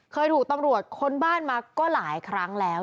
เคยถูกตำรวจค้นบ้านมาก็หลายครั้งแล้ว